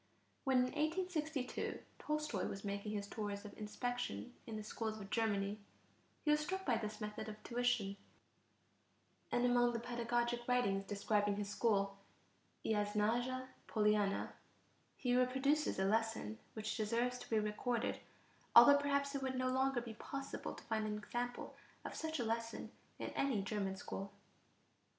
When in 1862 Tolstoy was making his tours of inspection in the schools of Germany, he was struck by this method of tuition, and among the pedagogic writings describing his school, Iasnaja Poliana, he reproduces a lesson which deserves to be recorded, although perhaps it would no longer be possible to find an example of such a lesson in any German school.